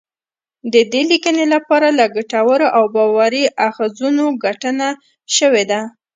د دې لیکنی لپاره له ګټورو او باوري اخځونو ګټنه شوې ده